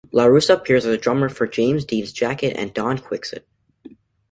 LaRussa appears as drummer for "James Dean's Jacket" and "Don Quixote.